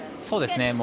そうですね。